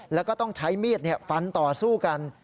แล้วก็ต้องใช้มีดฟันต่อสู้กัน